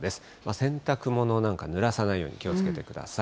洗濯物なんかぬらさないように気をつけてください。